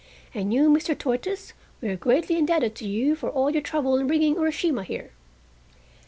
And you, Mr. Tortoise, we are greatly indebted to you for all your trouble in bringing Urashima here."